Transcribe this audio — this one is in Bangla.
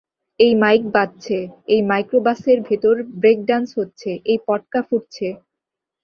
এই মাইক বাজছে, এই মাইক্রোবাসের ভেতর ব্রেক ডান্স হচ্ছে, এই পটকা ফুটছে।